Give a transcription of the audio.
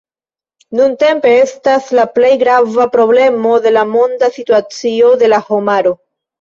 Nuntempe estas la plej grava problemo de la monda situacio de la homaro.